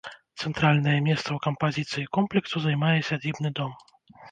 Цэнтральнае месца ў кампазіцыі комплексу займае сядзібны дом.